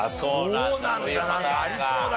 そうなんだ。